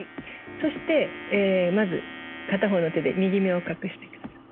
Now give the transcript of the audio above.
そしてまず片方の手で右目を隠してください。